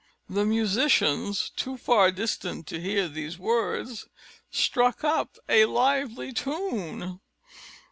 The musicians, too far distant to hear these words, struck up a lively tune.